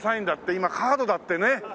今カードだってね。